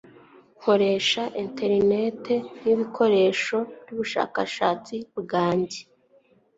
Nkoresha interineti nkibikoresho byubushakashatsi bwanjye.